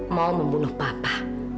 mau membunuh papa